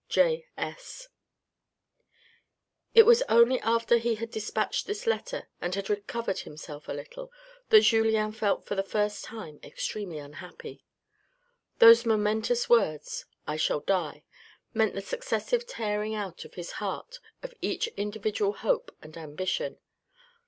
J. S." It was only after he had despatched this letter and had recovered himself a little, that julien felt for the first time extremely unhappy. Those momentous words, I shall die, meant the successive tearing out of his heart of each individual hope and ambition.